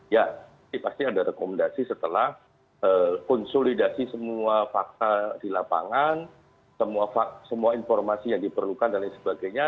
ya ini pasti ada rekomendasi setelah konsolidasi semua fakta di lapangan semua informasi yang diperlukan dan lain sebagainya